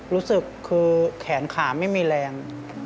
รู้สึกคือแขนขาไม่มีแรง